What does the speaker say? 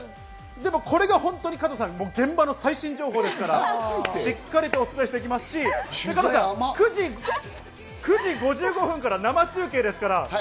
でもこれが本当に現場の最新情報ですから、しっかりとお伝えしていきますし、９時５５分から生中継ですから。